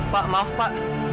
pak maaf pak